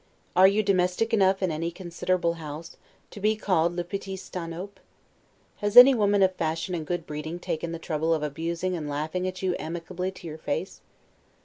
Are you domestic enough in any considerable house to be called 'le petit Stanhope'? Has any woman of fashion and good breeding taken the trouble of abusing and laughing at you amicably to your face?